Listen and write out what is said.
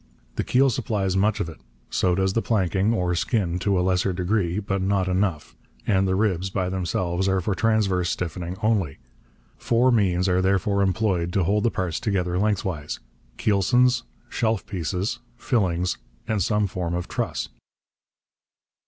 The keel supplies much of it, so does the planking (or skin) to a lesser degree; but not enough; and the ribs, by themselves, are for transverse stiffening only. Four means are therefore employed to hold the parts together lengthwise keelsons, shelf pieces, fillings, and some form of truss.